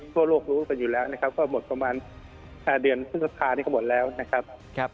ทั่วโลกรู้กันอยู่แล้วนะครับว่าหมดประมาณ๕เดือนพฤษภานี้ก็หมดแล้วนะครับ